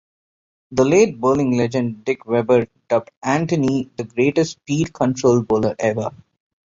The late bowling legend Dick Weber dubbed Anthony the greatest speed-control bowler ever.